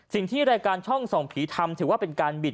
สิ่งที่รายการช่องส่องผีทำถือว่าเป็นการบิด